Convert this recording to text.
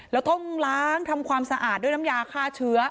แล้วต้องล้างทำความสะอาดด้วยน้ำยาฆ่าเชื้อ